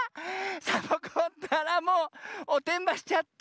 サボ子ったらもうおてんばしちゃった！